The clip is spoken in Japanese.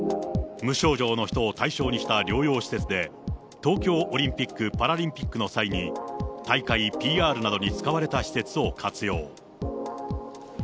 無症状の人を対象にした療養施設で、東京オリンピック・パラリンピックの際に、大会ＰＲなどに使われた施設を活用。